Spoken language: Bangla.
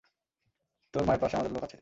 তোর মায়ের পাশে আমাদের লোক আছে।